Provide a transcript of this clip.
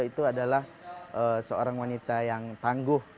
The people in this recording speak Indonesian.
itu adalah seorang wanita